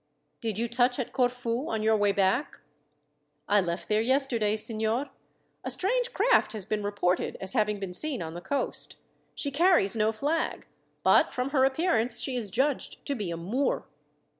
"Did you touch at Corfu on your way back?" "I left there yesterday, signor. A strange craft has been reported as having been seen on the coast. She carries no flag, but from her appearance she is judged to be a Moor."